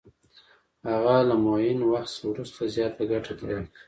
هغه له معین وخت وروسته زیاته ګټه ترې اخلي